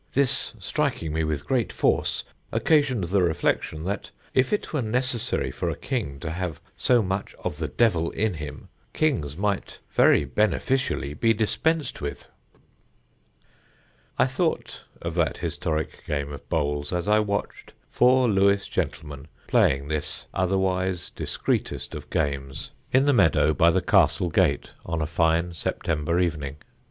This, striking me with great force, occasioned the reflection, that if it were necessary for a king to have so much of the devil in him, kings might very beneficially be dispensed with." I thought of that historic game of bowls as I watched four Lewes gentlemen playing this otherwise discreetest of games in the meadow by the castle gate on a fine September evening.